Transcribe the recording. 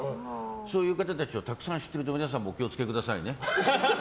そういう皆さんを知っていると皆さんもお気を付けくださいね。